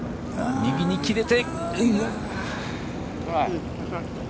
右に切れて。